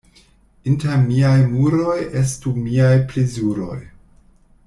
Inter miaj muroj estu miaj plezuroj.